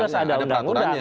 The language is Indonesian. harus ada undang undang